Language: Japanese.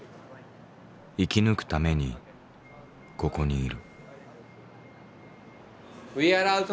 生き抜くためにここにいる。